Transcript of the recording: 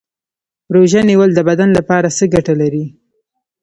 روژه نیول د بدن لپاره څه ګټه لري